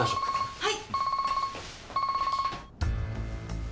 はい！